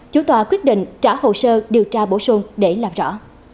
chủ tòa quyết định trả hồ sơ điều tra bổ sung để làm rõ